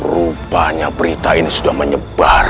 rupanya berita ini sudah menyebar